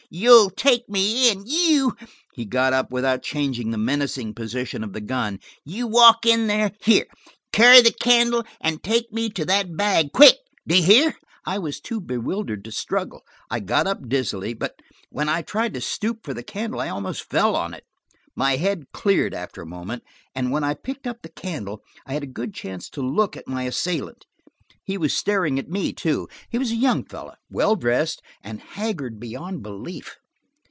"You'll take me in! You!" He got up without changing the menacing position of the gun. "You walk in there–here, carry the candle–and take me to that bag. Quick, do you hear?" I was too bewildered to struggle. I got up dizzily, but when I tried to stoop for the candle I almost fell on it. My head cleared after a moment, and when I had picked up the candle I had a good chance to look at my assailant. He was staring at me, too. He was a young fellow, well dressed, and haggard beyond belief.